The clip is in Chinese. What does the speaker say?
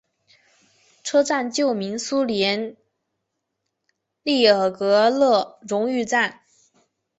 车站旧名苏联列宁格勒荣誉站。